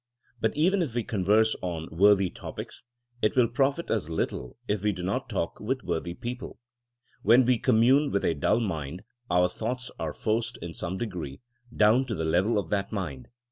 And even if we converse on worthy topics, it will profit us little if we do not talk with worthy people. When we com mune with a dull mind, our thoughts are forced, in some degree, down to the level of that mind.